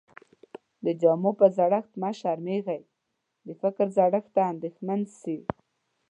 د جامو په زړښت مه شرمېږٸ، د فکر زړښت ته انديښمن سې.